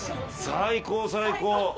最高最高。